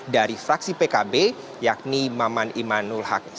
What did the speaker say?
dari fraksi pkb yakni maman imanul haq